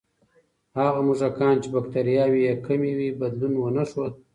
هغه موږکان چې بکتریاوې یې کمې وې، بدلون ونه ښود.